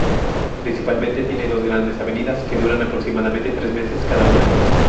Principalmente tiene dos grandes avenidas que duran aproximadamente tres meses cada una.